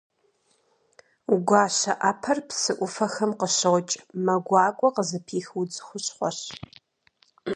Гуащэӏэпэр псы ӏуфэхэм къыщокӏ, мэ гуакӏуэ къызыпих удз хущхъуэщ.